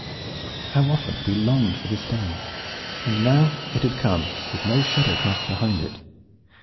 How often he had longed for this day! And now it had come with no shadow cast behind it.